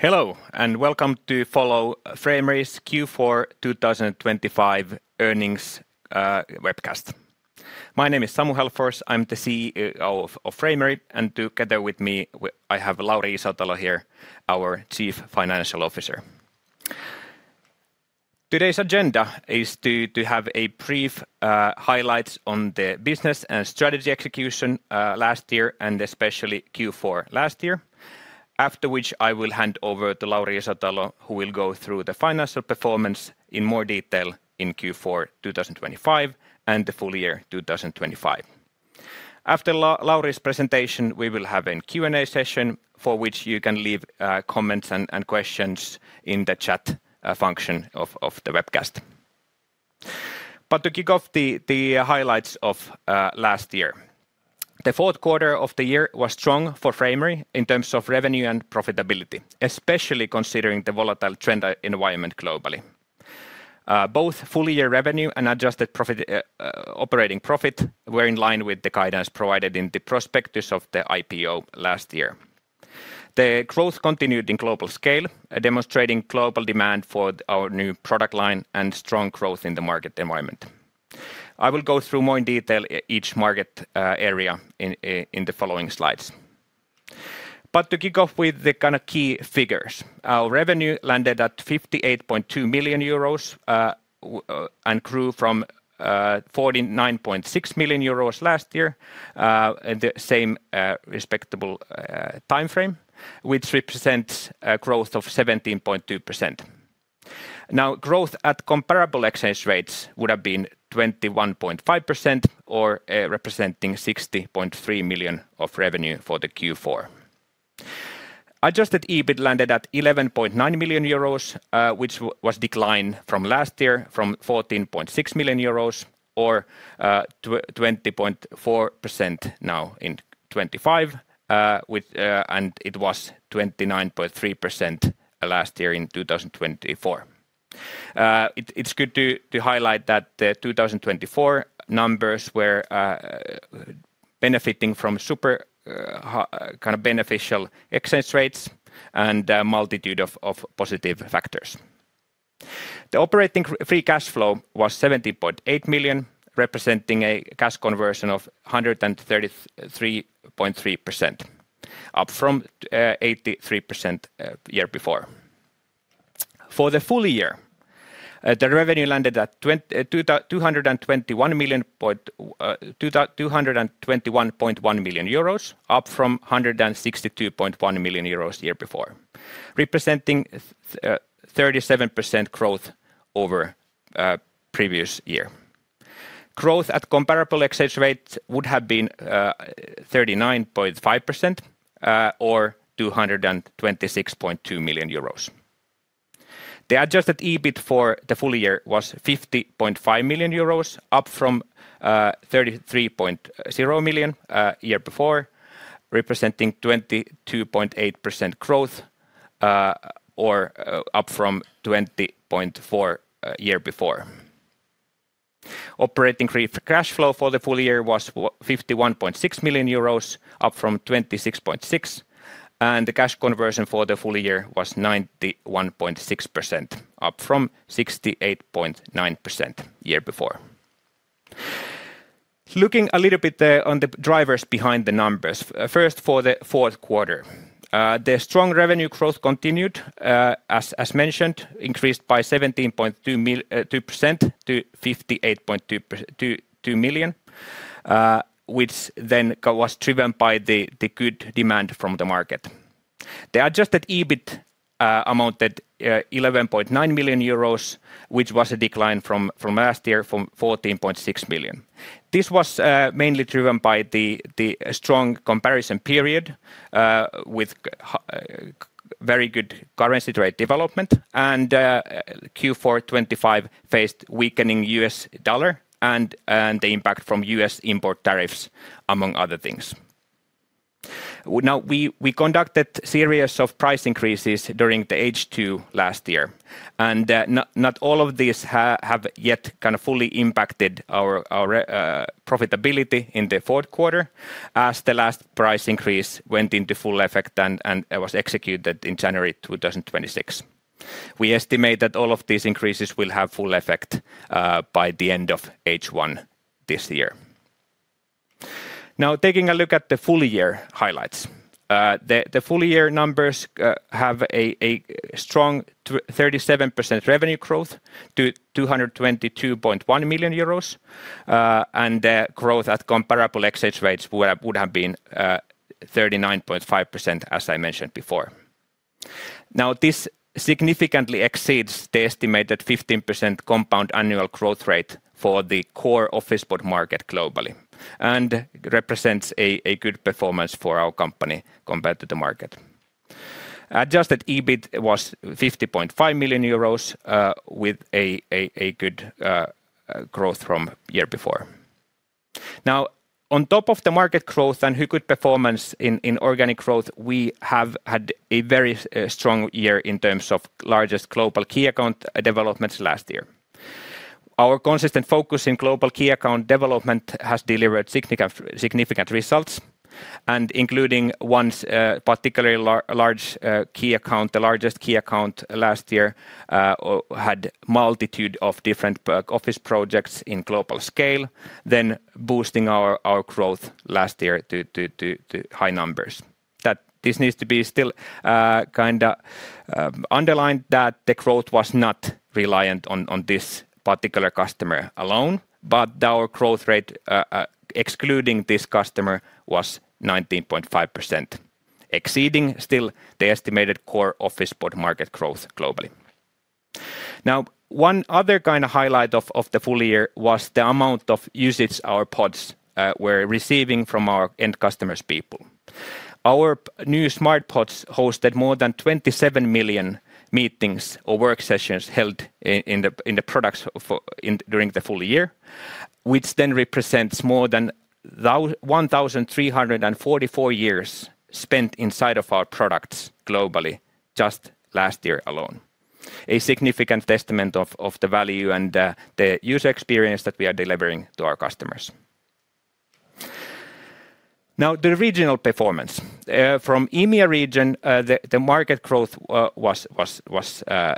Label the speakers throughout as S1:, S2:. S1: Hello, and welcome to follow Framery's Q4 2025 earnings webcast. My name is Samu Hällfors. I'm the CEO of Framery, and together with me, I have Lauri Isotalo here, our Chief Financial Officer. Today's agenda is to have a brief highlights on the business and strategy execution last year and especially Q4 last year. After which I will hand over to Lauri Isotalo, who will go through the financial performance in more detail in Q4 2025, and the full year 2025. After Lauri's presentation, we will have a Q&A session, for which you can leave comments and questions in the chat function of the webcast. But to kick off the highlights of last year, the fourth quarter of the year was strong for Framery in terms of revenue and profitability, especially considering the volatile trend environment globally. Both full-year revenue and adjusted operating profit were in line with the guidance provided in the prospectus of the IPO last year. The growth continued in global scale, demonstrating global demand for our new product line and strong growth in the market environment. I will go through more in detail each market area in the following slides. But to kick off with the kind of key figures, our revenue landed at 58.2 million euros and grew from 49.6 million euros last year in the same respective timeframe, which represents a growth of 17.2%. Now, growth at comparable exchange rates would have been 21.5%, or representing 60.3 million of revenue for the Q4. Adjusted EBIT landed at 11.9 million euros, which was declined from last year, from 14.6 million euros or twenty point four percent now in 2025, with... And it was 29.3% last year in 2024. It's good to highlight that the 2024 numbers were benefiting from super kind of beneficial exchange rates and a multitude of positive factors. The operating free cash flow was 70.8 million, representing a cash conversion of 133.3%, up from 83%, year before. For the full year, the revenue landed at 221.1 million euros, up from 162.1 million euros the year before, representing 37% growth over previous year. Growth at comparable exchange rates would have been 39.5%, or 226.2 million euros. The Adjusted EBIT for the full year was 50.5 million euros, up from 33.0 million year before, representing 22.8% growth, or up from 20.4 year before. Operating free cash flow for the full year was 51.6 million euros, up from 26.6 million, and the cash conversion for the full year was 91.6%, up from 68.9% year before. Looking a little bit on the drivers behind the numbers, first, for the fourth quarter. The strong revenue growth continued, as mentioned, increased by 17.2% to 58.2 million, which then was driven by the good demand from the market. The Adjusted EBIT amounted 11.9 million euros, which was a decline from last year, from 14.6 million. This was mainly driven by the strong comparison period with very good currency rate development, and Q4 2025 faced weakening U.S. dollar and the impact from U.S. import tariffs, among other things. Well, now we conducted a series of price increases during the H2 last year, and not all of these have yet kind of fully impacted our profitability in the fourth quarter, as the last price increase went into full effect and it was executed in January 2026. We estimate that all of these increases will have full effect by the end of H1 this year. Now, taking a look at the full year highlights. The full year numbers have a strong 37% revenue growth to 222.1 million euros, and the growth at comparable exchange rates would have been 39.5%, as I mentioned before. Now, this significantly exceeds the estimated 15% compound annual growth rate for the core office pod market globally and represents a good performance for our company compared to the market. Adjusted EBIT was 50.5 million euros, with a good growth from year before. Now, on top of the market growth and a good performance in organic growth, we have had a very strong year in terms of largest global key account developments last year. Our consistent focus in global key account development has delivered significant, significant results, and including ones, particularly large key account, the largest key account last year, had multitude of different per-office projects in global scale, then boosting our growth last year to high numbers. That this needs to be still kinda underlined that the growth was not reliant on this particular customer alone, but our growth rate excluding this customer was 19.5%, exceeding still the estimated core office pod market growth globally. Now, one other kind of highlight of the full year was the amount of usage our pods were receiving from our end customers people. Our new Smart Pods hosted more than 27 million meetings or work sessions held in the products during the full year, which then represents more than 1,344 years spent inside of our products globally, just last year alone. A significant testament of the value and the user experience that we are delivering to our customers. Now, the regional performance. From the EMEA region, the market growth was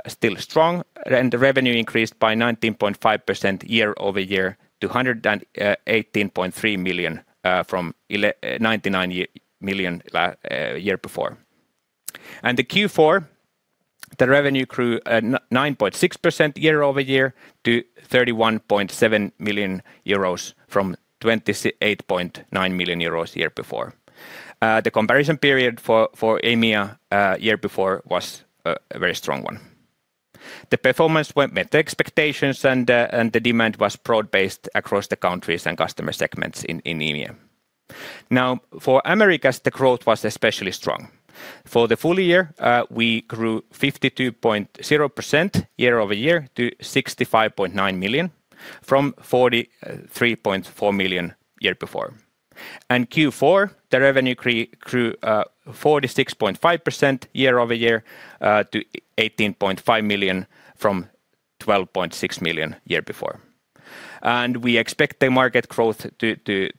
S1: still strong, and the revenue increased by 19.5% year-over-year to 118.3 million from 99 million year before. And the Q4, the revenue grew 9.6% year-over-year to 31.7 million euros from 28.9 million euros year before. The comparison period for EMEA year before was a very strong one. The performance met the expectations, and the demand was broad-based across the countries and customer segments in EMEA. Now, for Americas, the growth was especially strong. For the full year, we grew 52.0% year-over-year to 65.9 million, from 43.4 million year before. And Q4, the revenue grew 46.5% year-over-year to 18.5 million from 12.6 million year before. And we expect the market growth to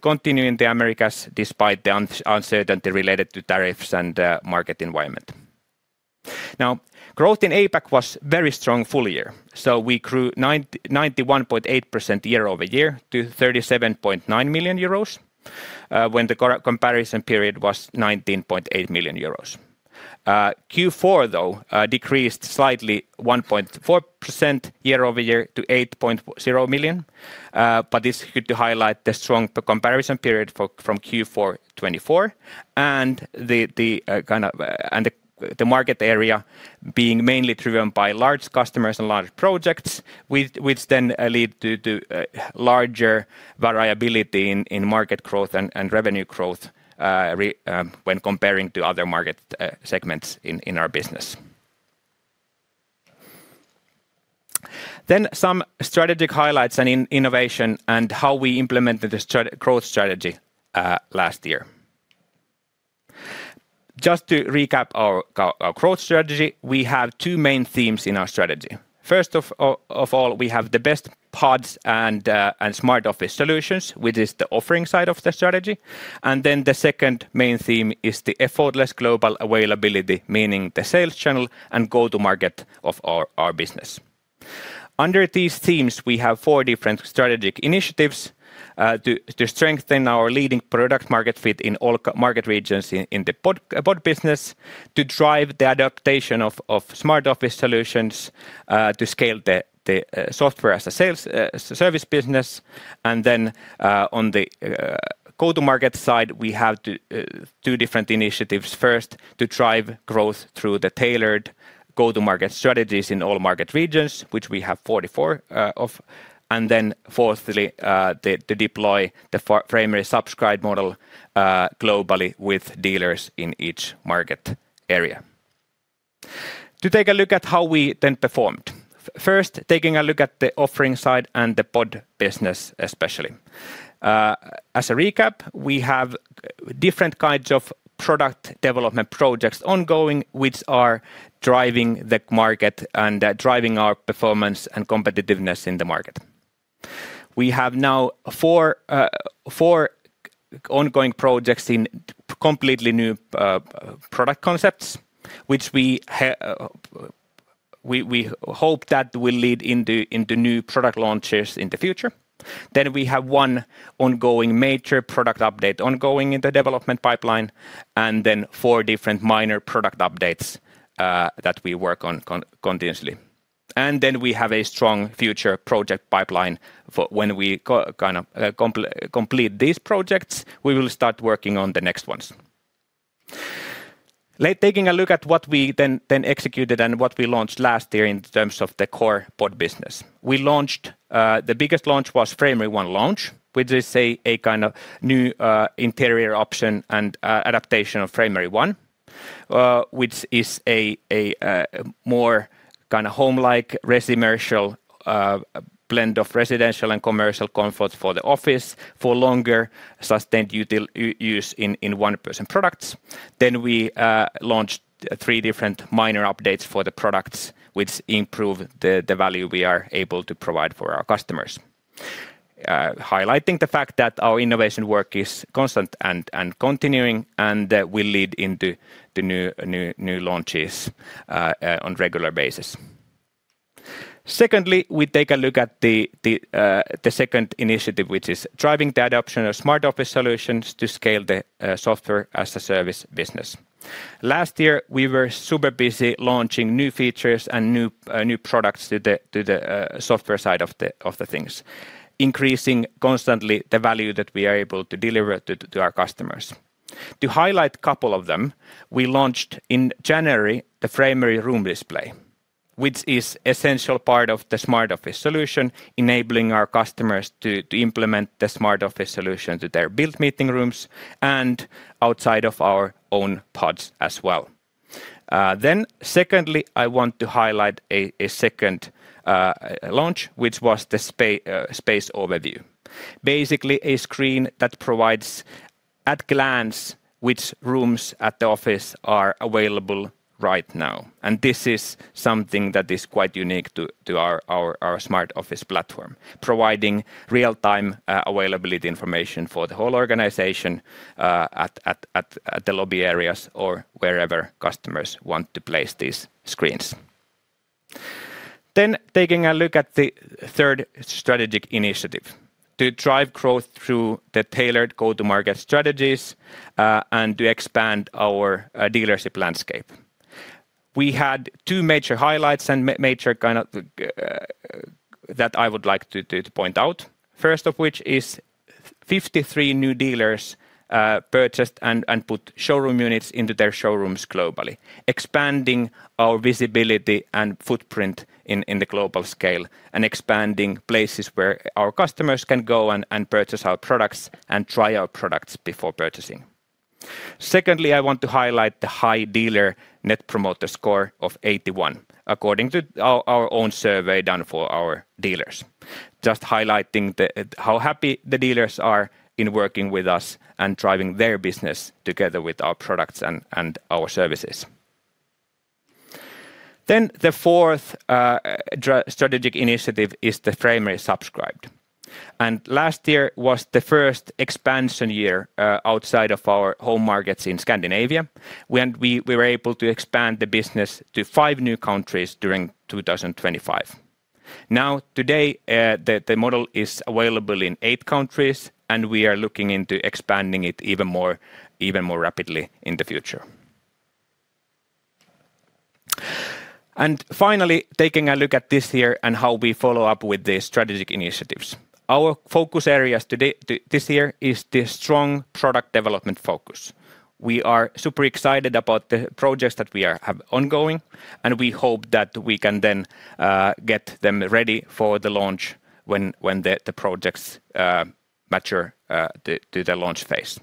S1: continue in the Americas despite the uncertainty related to tariffs and market environment. Now, growth in APAC was very strong full year, so we grew 91.8% year-over-year to 37.9 million euros, when the comparison period was 19.8 million euros. Q4, though, decreased slightly 1.4% year-over-year to 8.0 million, but this could to highlight the strong comparison period for, from Q4 2024, and the, the, kind of, and the, the market area being mainly driven by large customers and large projects, which, which then, lead to, to, larger variability in, in market growth and, and revenue growth, when comparing to other market, segments in, in our business. Then some strategic highlights and innovation, and how we implemented the growth strategy, last year. Just to recap our growth strategy, we have two main themes in our strategy. First of all, we have the best pods and smart office solutions, which is the offering side of the strategy. And then the second main theme is the effortless global availability, meaning the sales channel and go-to-market of our business. Under these themes, we have four different strategic initiatives to strengthen our leading product market fit in all market regions in the pod business, to drive the adaptation of smart office solutions, to scale the software as a service business. And then on the go-to-market side, we have two different initiatives. First, to drive growth through the tailored go-to-market strategies in all market regions, which we have 44 of. And then fourthly, to deploy the Framery Subscribed model globally with dealers in each market area. To take a look at how we then performed. First, taking a look at the offering side and the pod business, especially. As a recap, we have different kinds of product development projects ongoing, which are driving the market and driving our performance and competitiveness in the market. We have now four ongoing projects in completely new product concepts, which we hope that will lead into new product launches in the future. Then we have one ongoing major product update ongoing in the development pipeline, and then four different minor product updates that we work on continuously. Then we have a strong future project pipeline for when we go, kinda complete these projects, we will start working on the next ones. Taking a look at what we then executed and what we launched last year in terms of the core pod business. We launched the biggest launch was Framery One launch, which is a kind of new interior option and adaptation of Framery One, which is a more kinda home-like Resimercial blend of residential and commercial comfort for the office for longer, sustained use in one person products. Then we launched three different minor updates for the products, which improve the value we are able to provide for our customers. highlighting the fact that our innovation work is constant and continuing, and will lead into the new launches on regular basis. Secondly, we take a look at the second initiative, which is driving the adoption of smart office solutions to scale the software as a service business. Last year, we were super busy launching new features and new products to the software side of the things, increasing constantly the value that we are able to deliver to our customers. To highlight couple of them, we launched in January, the Framery Room Display, which is essential part of the Smart Office solution, enabling our customers to implement the Smart Office solution to their built meeting rooms and outside of our own pods as well. Then secondly, I want to highlight a second launch, which was the Space Overview. Basically, a screen that provides at glance which rooms at the office are available right now, and this is something that is quite unique to our Smart Office platform, providing real-time availability information for the whole organization at the lobby areas or wherever customers want to place these screens. Then, taking a look at the third strategic initiative: to drive growth through the tailored go-to-market strategies and to expand our dealership landscape. We had two major highlights and that I would like to point out, first of which is 53 new dealers purchased and put showroom units into their showrooms globally, expanding our visibility and footprint in the global scale, and expanding places where our customers can go and purchase our products and try our products before purchasing. Secondly, I want to highlight the high dealer Net Promoter Score of 81, according to our own survey done for our dealers. Just highlighting how happy the dealers are in working with us and driving their business together with our products and our services. Then, the fourth strategic initiative is the Framery Subscribed, and last year was the first expansion year outside of our home markets in Scandinavia, when we were able to expand the business to 5 new countries during 2025. Now, today, the model is available in 8 countries, and we are looking into expanding it even more rapidly in the future. And finally, taking a look at this year and how we follow up with the strategic initiatives. Our focus areas today to this year is the strong product development focus. We are super excited about the projects that we have ongoing, and we hope that we can then get them ready for the launch when the projects mature to the launch phase.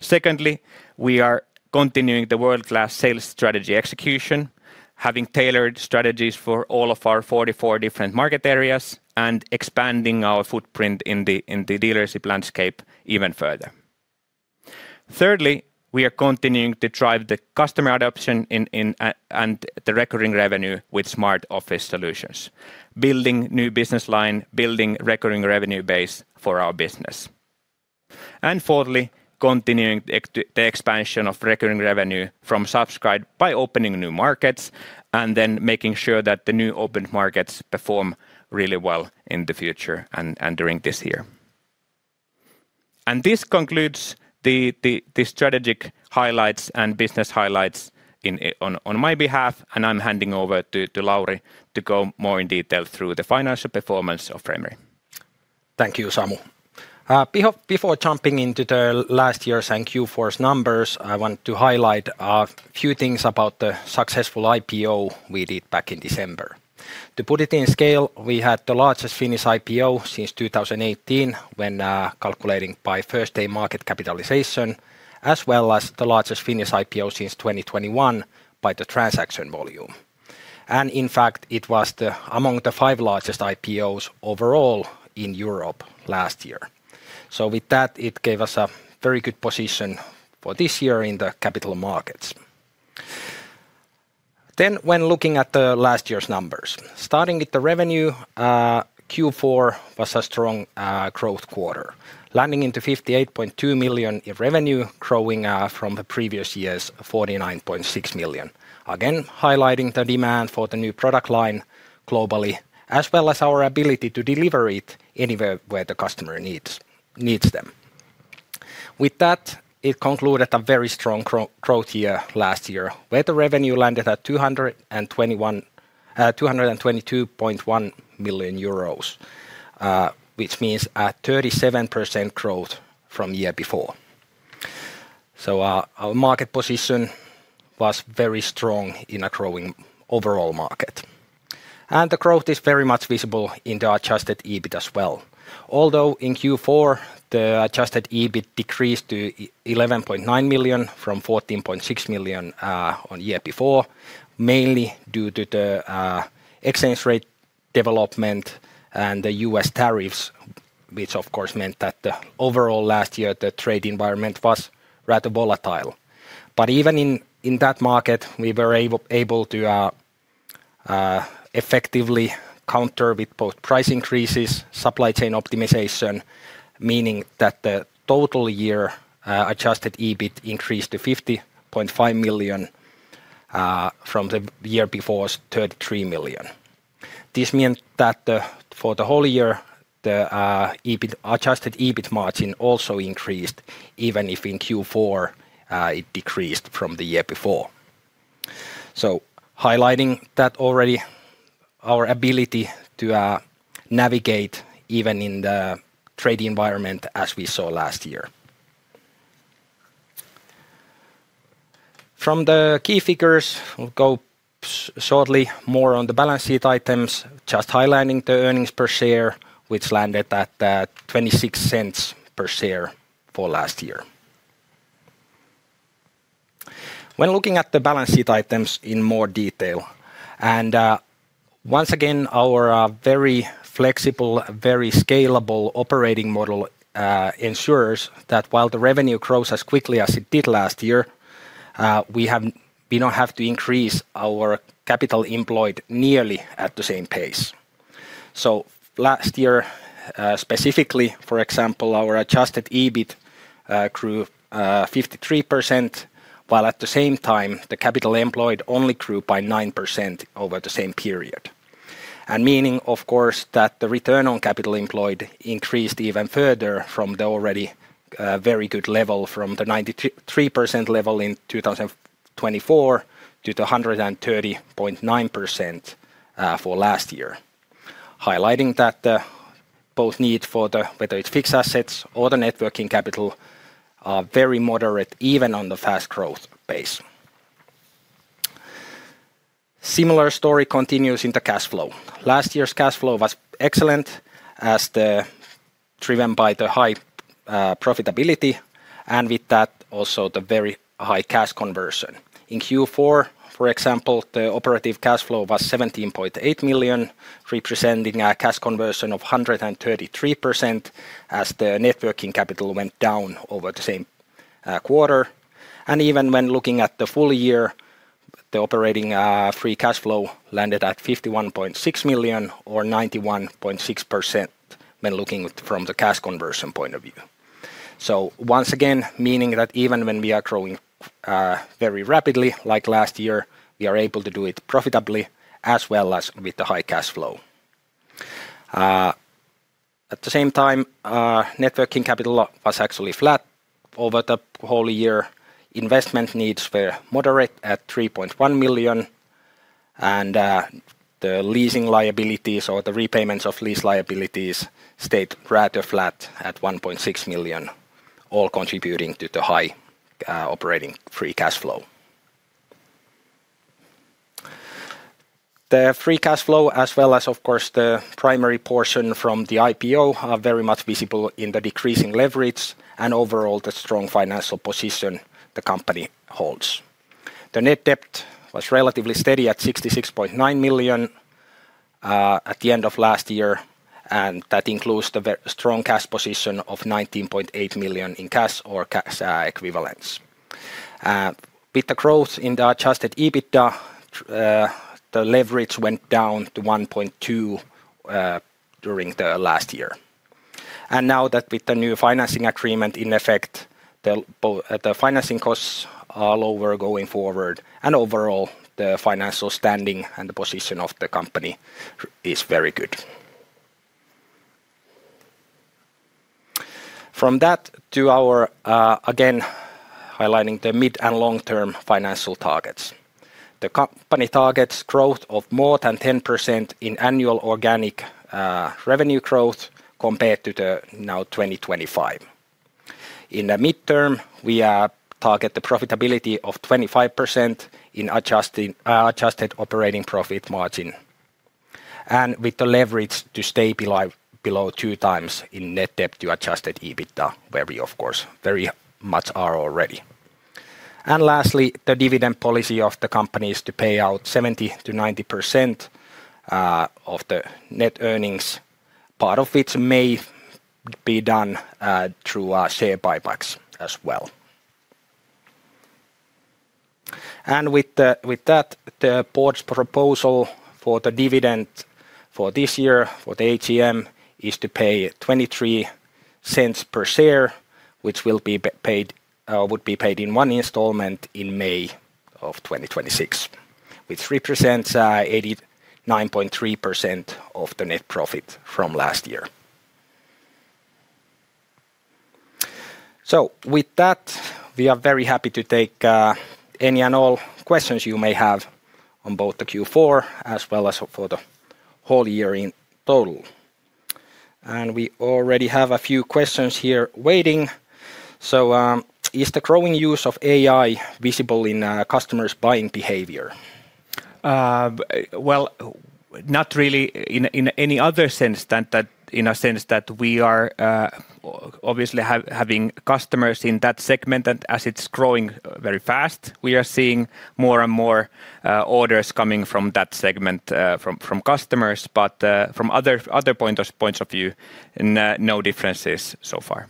S1: Secondly, we are continuing the world-class sales strategy execution, having tailored strategies for all of our 44 different market areas and expanding our footprint in the dealership landscape even further. Thirdly, we are continuing to drive the customer adoption in and the recurring revenue with Smart Office solutions, building new business line, building recurring revenue base for our business. And fourthly, continuing the expansion of recurring revenue from Subscribe by opening new markets and then making sure that the new opened markets perform really well in the future and during this year. And this concludes the strategic highlights and business highlights on my behalf, and I'm handing over to Lauri to go more in detail through the financial performance of Framery.
S2: Thank you, Samu. Before jumping into the last year's and Q4's numbers, I want to highlight a few things about the successful IPO we did back in December. To put it in scale, we had the largest Finnish IPO since 2018, when calculating by first-day market capitalization, as well as the largest Finnish IPO since 2021 by the transaction volume. And in fact, it was among the five largest IPOs overall in Europe last year. So with that, it gave us a very good position for this year in the capital markets. Then, when looking at the last year's numbers, starting with the revenue, Q4 was a strong growth quarter, landing into 58.2 million in revenue, growing from the previous year's 49.6 million. Again, highlighting the demand for the new product line globally, as well as our ability to deliver it anywhere where the customer needs, needs them. With that, it concluded a very strong growth year last year, where the revenue landed at 222.1 million euros, which means a 37% growth from year before. So our market position was very strong in a growing overall market, and the growth is very much visible in the Adjusted EBIT as well. Although, in Q4, the Adjusted EBIT decreased to eleven point nine million from fourteen point six million on the year before, mainly due to the exchange rate development and the U.S. tariffs, which of course, meant that the overall last year, the trade environment was rather volatile. But even in that market, we were able to effectively counter with both price increases, supply chain optimization, meaning that the total year Adjusted EBIT increased to 50.5 million from the year before's 33 million. This means that for the whole year, the adjusted EBIT margin also increased, even if in Q4 it decreased from the year before. So highlighting that already, our ability to navigate even in the trade environment as we saw last year. From the key figures, we'll go shortly more on the balance sheet items, just highlighting the earnings per share, which landed at 0.26 EUR per share for last year. When looking at the balance sheet items in more detail, and, once again, our very flexible, very scalable operating model ensures that while the revenue grows as quickly as it did last year, we haven't- we don't have to increase our capital employed nearly at the same pace. So last year, specifically, for example, our adjusted EBIT grew 53%, while at the same time, the capital employed only grew by 9% over the same period. And meaning, of course, that the return on capital employed increased even further from the already very good level, from the 93% level in 2024 to the 130.9%, for last year. Highlighting that both need for the, whether it's fixed assets or the net working capital, are very moderate, even on the fast growth pace. Similar story continues in the cash flow. Last year's cash flow was excellent as driven by the high profitability, and with that, also the very high cash conversion. In Q4, for example, the operative cash flow was 17.8 million, representing a cash conversion of 133%, as the net working capital went down over the same quarter. And even when looking at the full year, the operating free cash flow landed at 51.6 million or 91.6% when looking from the cash conversion point of view. So once again, meaning that even when we are growing very rapidly, like last year, we are able to do it profitably as well as with the high cash flow. At the same time, net working capital was actually flat over the whole year. Investment needs were moderate at 3.1 million, and the leasing liabilities or the repayments of lease liabilities stayed rather flat at 1.6 million, all contributing to the high operating free cash flow. The free cash flow, as well as, of course, the primary portion from the IPO, are very much visible in the decreasing leverage and overall the strong financial position the company holds. The net debt was relatively steady at 66.9 million at the end of last year, and that includes the very strong cash position of 19.8 million in cash or cash equivalents. With the growth in the adjusted EBITDA, the leverage went down to 1.2 during the last year. Now that with the new financing agreement in effect, the financing costs are lower going forward, and overall, the financial standing and the position of the company is very good. From that to our, again, highlighting the mid- and long-term financial targets. The company targets growth of more than 10% in annual organic revenue growth compared to 2025. In the midterm, we target the profitability of 25% in adjusted operating profit margin, and with the leverage to stay below 2x in net debt to adjusted EBITDA, where we, of course, very much are already. And lastly, the dividend policy of the company is to pay out 70%-90% of the net earnings, part of which may be done through our share buybacks as well. With that, the board's proposal for the dividend for this year, for the AGM, is to pay 0.23 per share, which will be paid in one installment in May of 2026, which represents 89.3% of the net profit from last year. So with that, we are very happy to take any and all questions you may have on both the Q4 as well as for the whole year in total. And we already have a few questions here waiting. So, "Is the growing use of AI visible in customers' buying behavior?" Well, not really in any other sense than that, in a sense that we are obviously having customers in that segment, and as it's growing very fast, we are seeing more and more orders coming from that segment from customers. But from other points of view, no differences so far.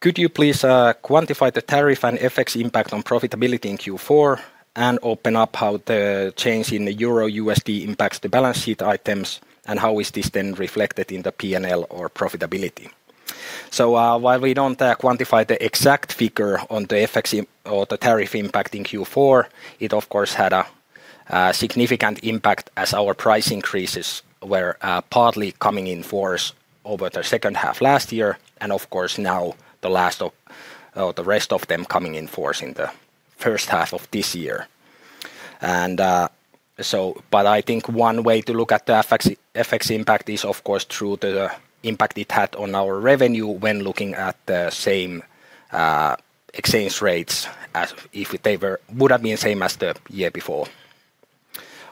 S2: Could you please quantify the tariff and FX impact on profitability in Q4 and open up how the change in the euro USD impacts the balance sheet items, and how is this then reflected in the PNL or profitability? So, while we don't quantify the exact figure on the FX impact or the tariff impact in Q4, it, of course, had a significant impact as our price increases were partly coming in force over the second half last year, and of course, now the last of, or the rest of them coming in force in the first half of this year. And, so but I think one way to look at the FX impact is, of course, through the impact it had on our revenue when looking at the same exchange rates as if they would have been same as the year before.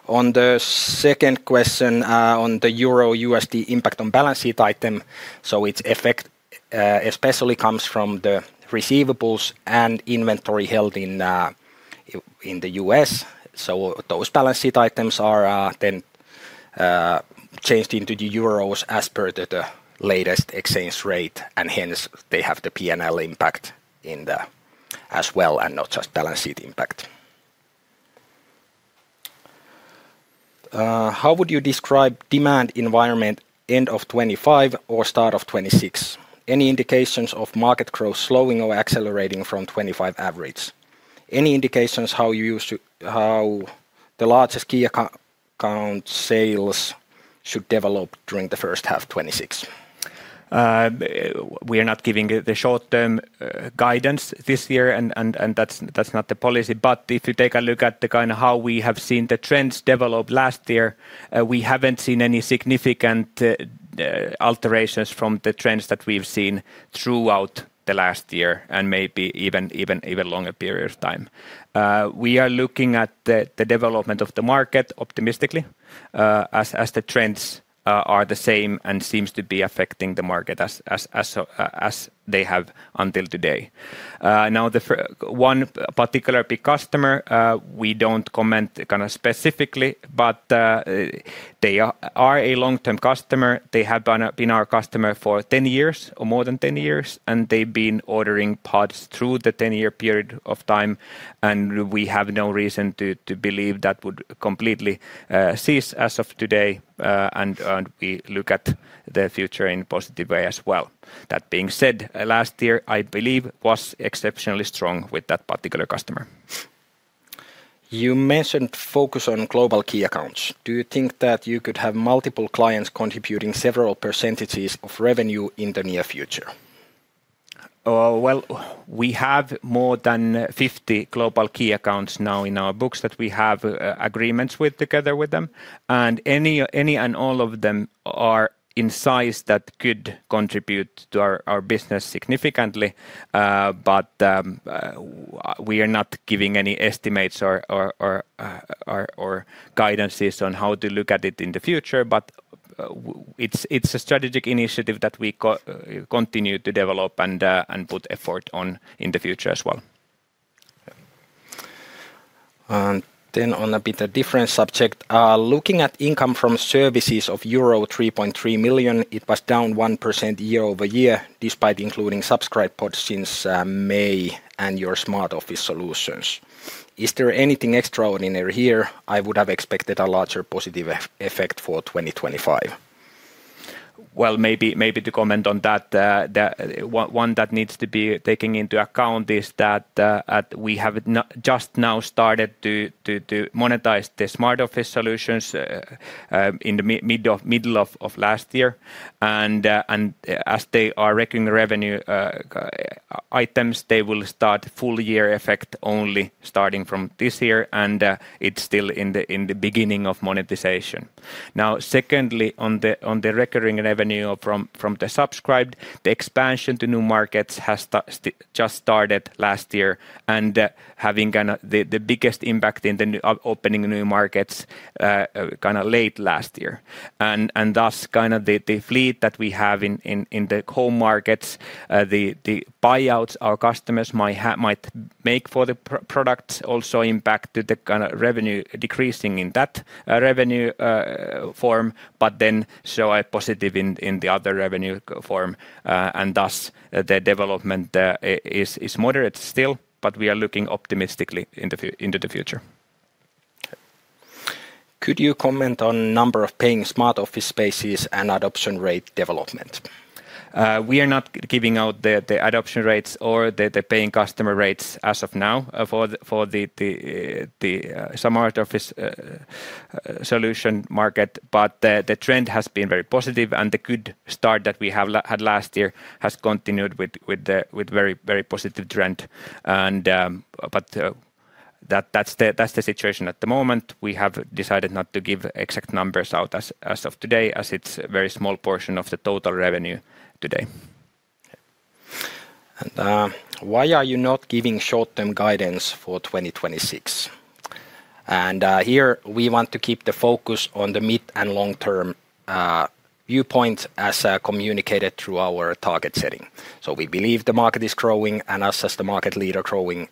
S2: On the second question, on the Euro USD impact on balance sheet item, so its effect especially comes from the receivables and inventory held in the U.S. Those balance sheet items are then changed into the euros as per the latest exchange rate, and hence, they have the PNL impact in the... as well, and not just balance sheet impact. How would you describe demand environment end of 2025 or start of 2026? Any indications of market growth slowing or accelerating from 2025 average? Any indications how the largest key account sales should develop during the first half 2026?
S1: We are not giving the short-term guidance this year, and that's not the policy. But if you take a look at kind of how we have seen the trends develop last year, we haven't seen any significant alterations from the trends that we've seen throughout the last year and maybe even longer period of time. We are looking at the development of the market optimistically, as the trends are the same and seems to be affecting the market as they have until today. Now, the one particular big customer, we don't comment kind of specifically, but they are a long-term customer. They have been our customer for 10 years, or more than 10 years, and they've been ordering parts through the 10-year period of time, and we have no reason to believe that would completely cease as of today. We look at the future in positive way as well. That being said, last year, I believe, was exceptionally strong with that particular customer.
S2: You mentioned focus on global key accounts. Do you think that you could have multiple clients contributing several percentages of revenue in the near future?
S1: Well, we have more than 50 global key accounts now in our books that we have agreements with together with them, and any and all of them are in size that could contribute to our business significantly. But we are not giving any estimates or guidances on how to look at it in the future. But it's a strategic initiative that we continue to develop and put effort on in the future as well.
S2: Then, on a bit of a different subject, looking at income from services of euro 3.3 million, it was down 1% year-over-year, despite including subscribed pods since May and your smart office solutions. Is there anything extraordinary here? I would have expected a larger positive effect for 2025.
S1: Well, maybe to comment on that, one that needs to be taken into account is that we have just now started to monetize the smart office solutions in the middle of last year. And as they are recognizing the revenue items, they will start full-year effect only starting from this year, and it's still in the beginning of monetization. Now, secondly, on the recurring revenue from the subscribed, the expansion to new markets has just started last year, and having kind of the biggest impact in the opening new markets kind of late last year. And thus, kind of the fleet that we have in the home markets, the buyouts our customers might make for the products also impacted the kind of revenue decreasing in that revenue form, but then show a positive in the other revenue form. And thus, the development is moderate still, but we are looking optimistically into the future.
S2: Could you comment on number of paying smart office spaces and adoption rate development?
S1: We are not giving out the adoption rates or the paying customer rates as of now for the smart office solution market. But the trend has been very positive, and the good start that we have had last year has continued with very positive trend. But that's the situation at the moment. We have decided not to give exact numbers out as of today, as it's a very small portion of the total revenue today.
S2: Why are you not giving short-term guidance for 2026? Here, we want to keep the focus on the mid- and long-term viewpoint, as communicated through our target setting. We believe the market is growing, and us, as the market leader, growing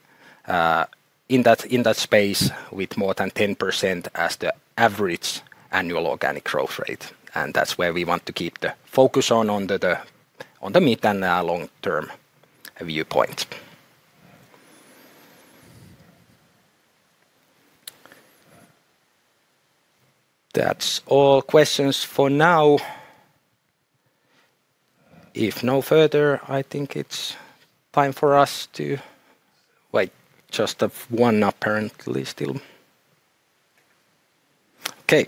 S2: in that space with more than 10% as the average annual organic growth rate, and that's where we want to keep the focus on the mid- and long-term viewpoint. That's all questions for now. If no further, I think it's time for us to... Wait, just have one apparently still. Okay.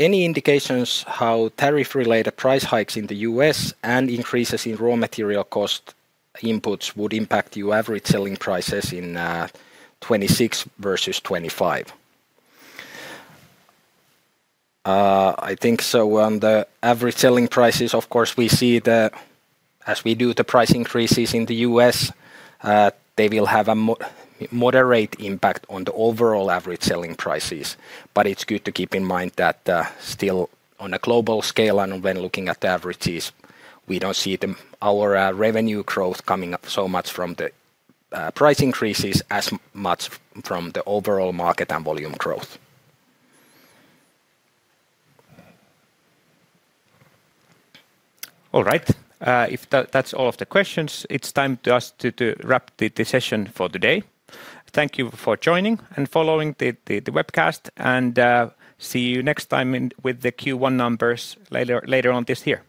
S2: Any indications how tariff-related price hikes in the U.S. and increases in raw material cost inputs would impact your average selling prices in 2026 versus 2025? I think so, on the average selling prices, of course, we see the... As we do the price increases in the U.S., they will have a moderate impact on the overall average selling prices. But it's good to keep in mind that, still, on a global scale, and when looking at the averages, we don't see our revenue growth coming up so much from the price increases as much from the overall market and volume growth. All right. If that's all of the questions, it's time for us to wrap the session for today. Thank you for joining and following the webcast, and see you next time with the Q1 numbers later on this year.